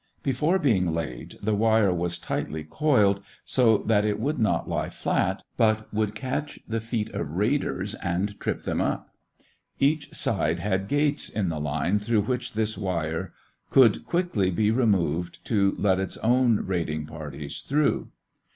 Before being laid, the wire was tightly coiled so that it would not lie flat, but would catch the feet of raiders and trip them up. Each side had "gates" in the line through which this wire could quickly be removed to let its own raiding parties through.